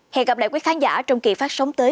hẹn gặp lại quý khán giả trong kỳ phát sóng tới